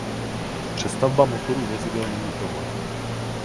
Přestavba motorů vozidel není problém.